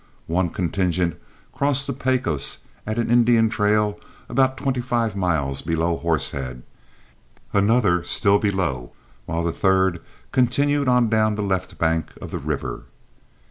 One contingent crossed the Pecos at an Indian trail about twenty five miles below Horsehead, another still below, while the third continued on down the left bank of the river.